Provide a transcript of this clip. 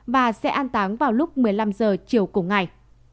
và sẽ an táng vào lúc một mươi năm h chiều cùng ngày